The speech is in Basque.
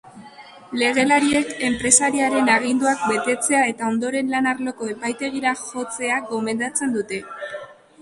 Legelariek enpresariaren aginduak betetzea eta ondoren lan-arloko epaitegira jotzea gomendatzen dute.